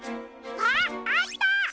あっあった！